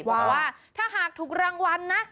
บอกว่าถ้าหากถูกรางวัลนะ